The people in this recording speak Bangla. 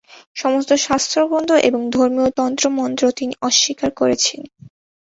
সমস্ত শাস্ত্রগ্রন্থ এবং ধর্মীয় তন্ত্র-মন্ত্র তিনি অস্বীকার করেছেন।